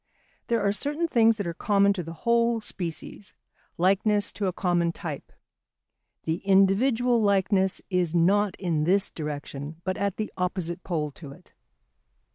There are certain things that are common to the whole species, likeness to a common type; the individual likeness is not in this direction but at the opposite pole to it.